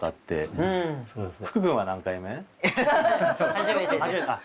初めてです。